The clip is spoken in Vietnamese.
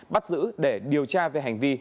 bắt giữ để điều tra về hành vi